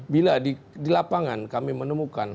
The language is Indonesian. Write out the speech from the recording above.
bila di lapangan kami menemukan